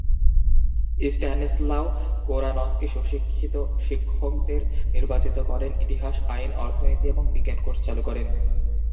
Stanislaw কোনারস্কি সুশিক্ষিত শিক্ষকদের নির্বাচন করেন, ইতিহাস, আইন, অর্থনীতি এবং বিজ্ঞান কোর্স চালু করেন।